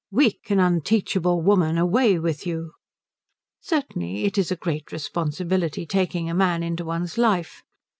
Weak and unteachable woman, away with you." Certainly it is a great responsibility taking a man into one's life.